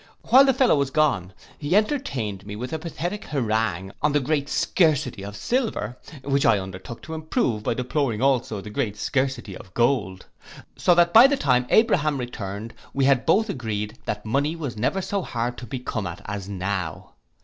While the fellow was gone, he entertained me with a pathetic harangue on the great scarcity of silver, which I undertook to improve, by deploring also the great scarcity of gold; so that by the time Abraham returned, we had both agreed that money was never so hard to be come at as now.